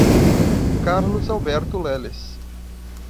Carlos Alberto Leles